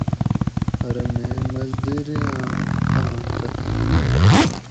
ارو مں مزدیری آۤں پانس دہ